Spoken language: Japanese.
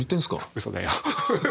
うそだよ。